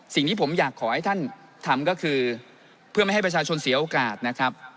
สิ่งที่ผมอยากขอให้ท่านทำก็คือเพื่อไม่ให้ประชาชนเสียโอกาสนะครับ